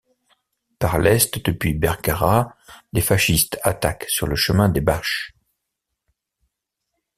Par l'est, depuis Bergara, les fascistes attaquent sur le chemin des Bâches.